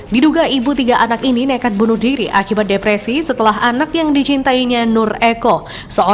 diduga ibu tiga anak ini nekat bunuh diri akibat depresi setelah anak yang dicintainya nur eko